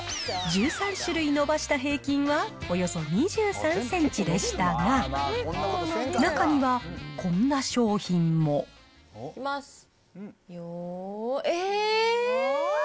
１３種類伸ばした平均はおよそ２３センチでしたが、中には、こんな商品も。いきます。